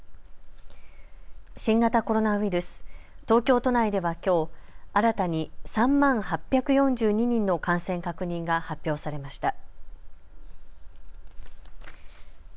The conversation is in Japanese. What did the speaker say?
新型コロナウイルス、東京都内ではきょう新たに３万８４２人の感染確認が発表されました。